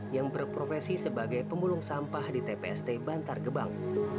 yang berprofesi sebagai pemulung sampah di tpst bantar gebang